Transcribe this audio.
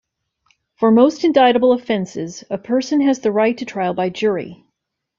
For most indictable offences, a person has the right to trial by jury.